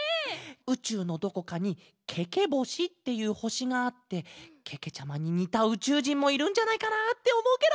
うちゅうのどこかにケケぼしっていうほしがあってけけちゃまににたうちゅうじんもいるんじゃないかなっておもうケロ！